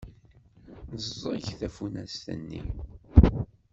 Neẓẓeg tafunast-nni.